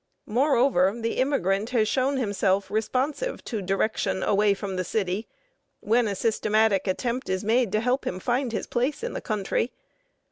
Moreover, the immigrant has shown himself responsive to direction away from the city when a systematic attempt is made to help him find his place in the country.